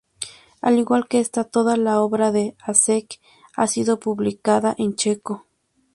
Al igual que esta, toda la obra de Hašek ha sido publicada en checo.